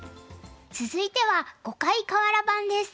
続いては「碁界かわら盤」です。